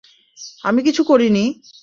আমি কিছু করিনি!